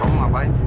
kamu ngapain sih